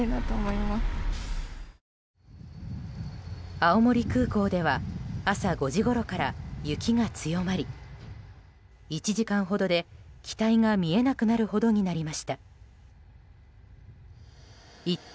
青森空港では朝５時ごろから雪が強まり１時間ほどで、機体が見えなくなるほどになりました。